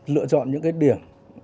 lựa chọn những cái điểm